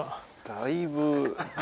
だいぶ。